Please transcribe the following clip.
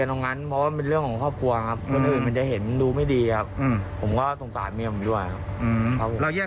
เอาเมียเราไปแล้วไปคุยตกลงกันได้ไหม